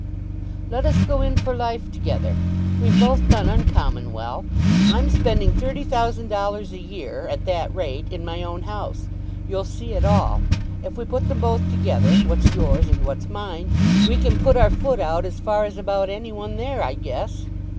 "Let us go in for life together. We've both done uncommon well. I'm spending 30,000 dollars a year, at that rate, in my own house. You'll see it all. If we put them both together, what's yours and what's mine, we can put our foot out as far as about any one there, I guess."